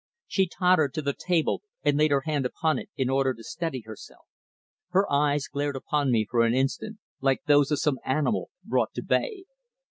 She tottered to the table and laid her hand upon it in order to steady herself. Her eyes glared upon me for an instant, like those of some animal brought to bay.